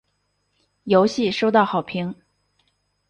游戏收到好评。